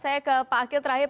saya ke pak akil terakhir